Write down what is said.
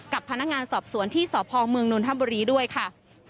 กับพนักงานสอบสวนที่สพเมืองนนทบุรีด้วยค่ะ